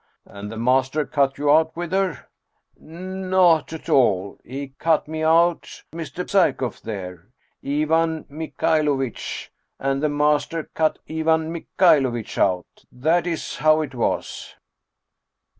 "And the master cut you out with her?" " Not at all. He cut me out Mr. Psyekoff there, Ivan Mikhailovitch ; and the master cut Ivan Mikhailovitch out. That is how it was."